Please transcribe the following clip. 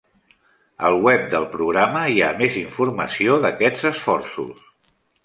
Al web del programa hi ha més informació d'aquests esforços.